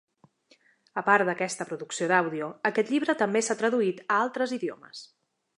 A part d'aquesta producció d'àudio, aquest llibre també s'ha traduït a altres idiomes.